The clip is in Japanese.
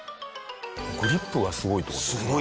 グリップがすごいって事ですか？